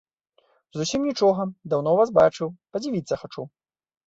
Зусім нічога, даўно вас бачыў, падзівіцца хачу.